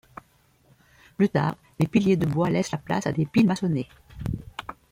Plus tard, les piliers de bois laissent la place à des piles maçonnées.